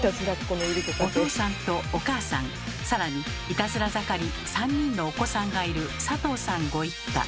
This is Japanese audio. お父さんとお母さんさらにいたずら盛り３人のお子さんがいる佐藤さんご一家。